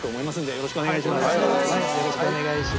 よろしくお願いします。